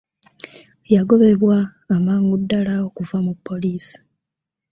Yagobebwa amangu ddala okuva mu poliisi.